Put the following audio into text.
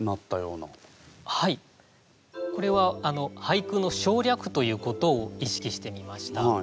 これは俳句の省略ということを意識してみました。